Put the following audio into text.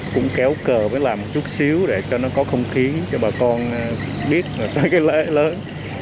cũng kéo cờ mới làm một chút xíu để cho nó có không khí cho bà con biết rồi tới cái lễ lớn